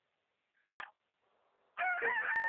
আমাকে অনুসরণ করো।